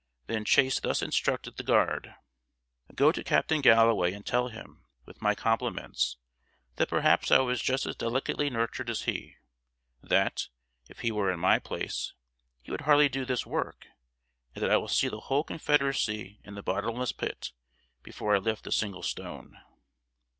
Then Chase thus instructed the guard: "Go to Captain Galloway, and tell him, with my compliments, that perhaps I was just as delicately nurtured as he that, if he were in my place, he would hardly do this work, and that I will see the whole Confederacy in the Bottomless Pit before I lift a single stone!"